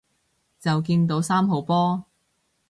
就見到三號波